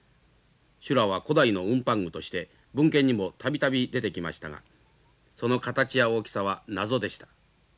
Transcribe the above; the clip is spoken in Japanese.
修羅は古代の運搬具として文献にも度々出てきましたがその形や大きさは謎でした。